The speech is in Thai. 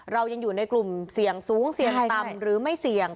เรายังอยู่ในกลุ่มเสี่ยงสูงเสี่ยงต่ำหรือไม่เสี่ยง